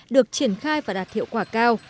được triển khai và đạt hiệu quả cao